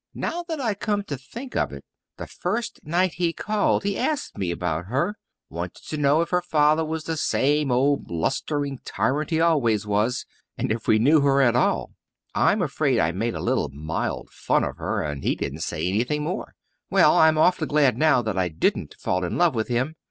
Now that I come to think of it, the first night he called he asked me about her. Wanted to know if her father were the same old blustering tyrant he always was, and if we knew her at all. I'm afraid I made a little mild fun of her, and he didn't say anything more. Well, I'm awfully glad now that I didn't fall in love with him.